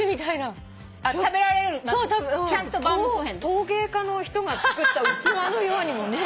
陶芸家の人が作った器のようにも。